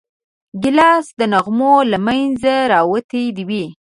ګیلاس د نغمو له منځه راوتی وي.